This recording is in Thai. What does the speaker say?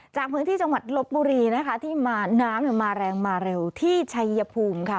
จากพื้นที่จังหวัดลบบุรีนะคะที่มาน้ำมาแรงมาเร็วที่ชัยภูมิค่ะ